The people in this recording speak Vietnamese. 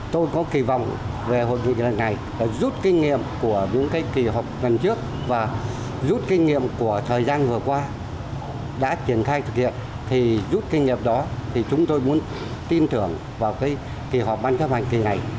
tôi có kỳ vọng về hội nghị lần này rút kinh nghiệm của những cái kỳ họp lần trước và rút kinh nghiệm của thời gian vừa qua đã triển khai thực hiện thì rút kinh nghiệm đó thì chúng tôi muốn tin tưởng vào kỳ họp ban chấp hành kỳ này